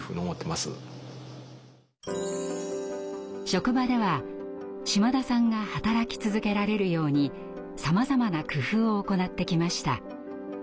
職場では島田さんが働き続けられるようにさまざまな工夫を行ってきました。